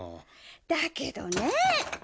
だけどねぇ。